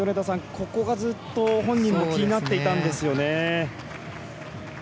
ここがずっと本人も気になっていたんですよね。